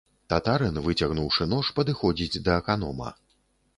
Татарын, выцягнуўшы нож, падыходзіць да аканома.